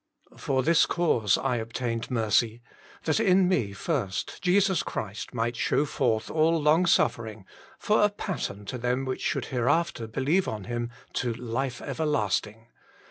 "For this cause I obtained mercy, that in me first Jesus Christ might ohow forth all long suffering, for a pattern to them which should hereafter believe on Him to life everlasting."